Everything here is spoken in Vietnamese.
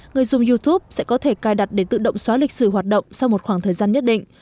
người dùng youtube sẽ có thể cài đặt để tự động xóa lịch sử hoạt động sau một khoảng thời gian nhất định